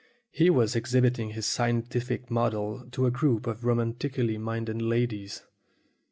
He was exhibiting his scientific model to a group of romantically minded ladies.